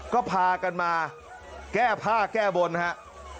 ก็พากันมาแก้ผ้าแก้บนครับ